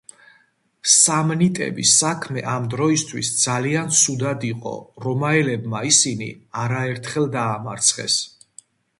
სამნიტების საქმე ამ დროისთვის ძალიან ცუდად იყო, რომაელებმა ისინი არაერთხელ დაამარცხეს.